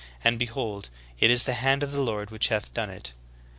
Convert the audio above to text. And behold, it is the hand of the Lord which hath done it.